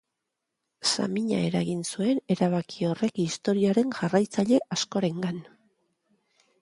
Samina eragin zuen erabaki horrek istorioaren jarraitzaile askorengan.